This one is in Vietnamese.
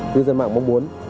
tư dân mạng mong muốn